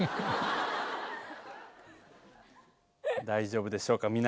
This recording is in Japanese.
大丈夫でしょうか？